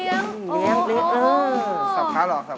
ยังไม่ได้ทำอะไรครับ